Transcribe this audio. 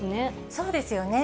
そうですよね。